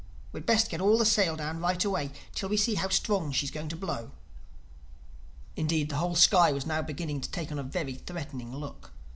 We'd best get all the sail down right away, till we see how strong she's going to blow." Indeed the whole sky was now beginning to take on a very threatening look.